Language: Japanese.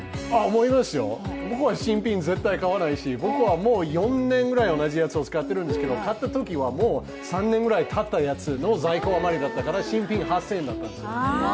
思いますよ、僕は新品絶対買わないし僕は４年ぐらい同じやつを使っているんですけど、買ったときはもう３年くらい前の在庫余りだったから新品８０００円だったんですよ。